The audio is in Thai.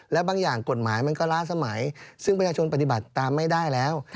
และบางอย่างกฎหมายมันก็ล่าสมัยซึ่งประชาชนปฏิบัติตามไม่ได้แล้ว